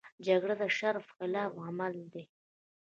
جګړه د شرف خلاف عمل دی